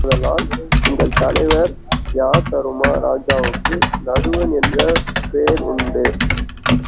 ஆதலால், உங்கள் தலைவர் யமதரும ராஜருக்கு நடுவன் என்றொரு பெயர் உண்டு.